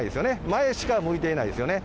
前しか向いていないですよね。